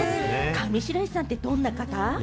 上白石さんって、どんな方？